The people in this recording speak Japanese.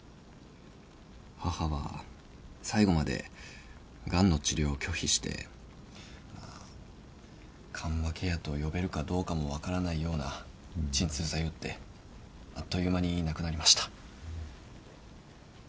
母は最後までがんの治療を拒否して緩和ケアと呼べるかどうかも分からないような鎮痛剤打ってあっという間に亡くなりました。